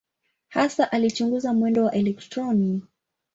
Hasa alichunguza mwendo wa elektroni.